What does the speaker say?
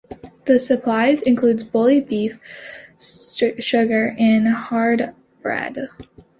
The supplies include bully-beef, sugar and hard bread.